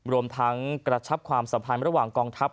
รวมทั้งกระชับความสัมพันธ์ระหว่างกองทัพ